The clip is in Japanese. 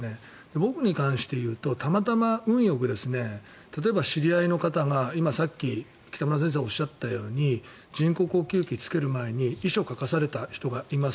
僕に関して言うとたまたま運よく例えば知り合いの方が今さっき北村先生がおっしゃったように人工呼吸器をつける前に遺書を書かされた人がいます。